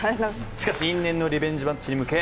しかし、因縁のリベンジマッチに向け